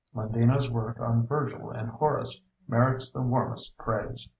Landino's work on Vergil and Horace merits the warmest praise.